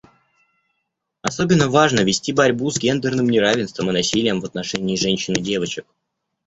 Особенно важно вести борьбу с гендерным неравенством и насилием в отношении женщин и девочек.